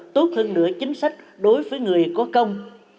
tốt hơn nữa chính sách đối với người có công